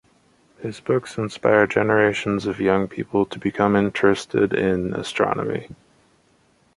His books inspired generations of young people to become interested in astronomy.